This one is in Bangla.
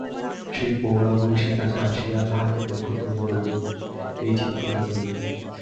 সেই প্রৌঢ়া মহিষীর কাছে আসিয়া তাঁহাকে নিরীক্ষণ করিয়া কহিল, এই যে নিকষা জননী।